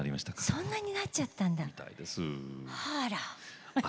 そんなにたっちゃったんだ。